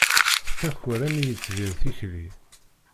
Tettaker am yitbir tikli.